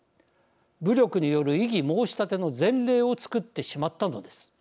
武力による異議申し立ての前例を作ってしまったのです。